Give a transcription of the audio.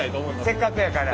せっかくやから。